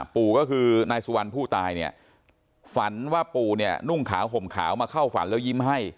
ปู่ก็คือนายสุวรรณผู้ตายเนี่ยฝันว่าปู่เนี่ยนุ่งขาวห่มขาวมาเข้าฝันแล้วยิ้มให้